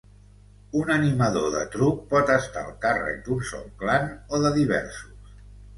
Un Animador de Truc pot estar al càrrec d’un sol Clan o de diversos.